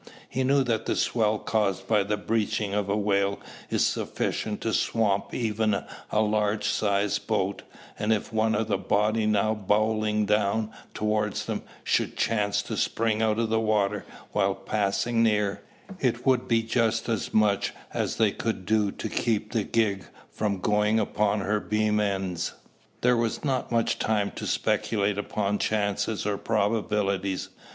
He knew that the swell caused by the "breaching" of a whale is sufficient to swamp even a large sized boat; and if one of the "body" now bowling down towards them should chance to spring out of the water while passing near, it would be just as much as they could do to keep the gig from going upon her beam ends. There was not much time to speculate upon chances, or probabilities.